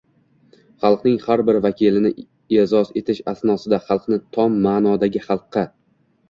xalqning har bir vakilini e’zoz etish asnosida xalqni tom ma’nodagi xalqqa